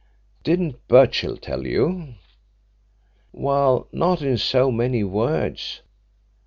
"Didn't Birchill tell you?" "Well, not in so many words.